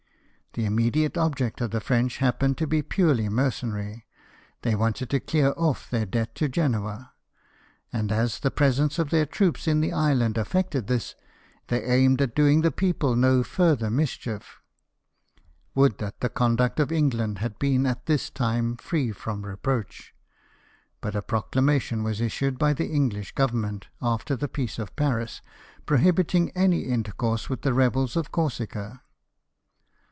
The immediate object of the French happened to be purely mercenary : they wanted to clear off their debt to Genoa; and as the presence of their troops in the island effected this, they aimed at domg the people no further mischief Would that the conduct fi4 LIFE OF NELSON. of England had been at this time free from reproach ! but a proclamation was issued by the English Govern ment, after the Peace of Paris, prohibiting any inter course with the rebels of Corsica.